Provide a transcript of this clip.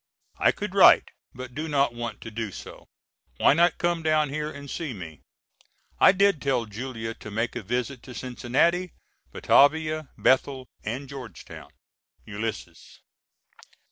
I could write, but do not want to do so. Why not come down here and see me? I did tell Julia to make a visit to Cincinnati, Batavia, Bethel and Georgetown. ULYSSES.